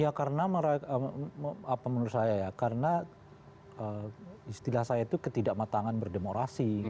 ya karena apa menurut saya ya karena istilah saya itu ketidakmatangan berdemokrasi